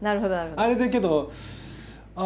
あれでけどあ